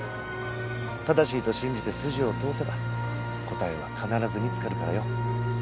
正しいと信じて筋を通せば答えは必ず見つかるからよ。